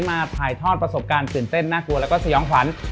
มาถ่ายทอดประสบการณ์ตื่นเต้นน่ากลัวแล้วก็สยองขวัญ